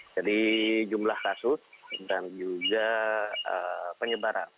jadi jumlah kasus dan juga penyebaran